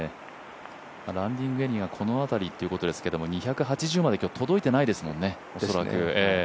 ランディングエリアはこの辺りということですけど２８０まで今日、届いてないですもんね、恐らく。